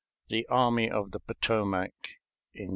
THE ARMY OF THE POTOMAC IN '64.